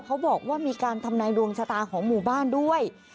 เขาบอกว่ามีการทำนายดวงชะตาของหมู่บ้านด้วย